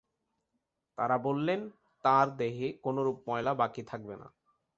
তারা বললেন, তাঁর দেহে কোনরূপ ময়লা বাকী থাকবে না।